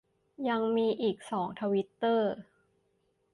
ยังมีอีกสองทวิตเตอร์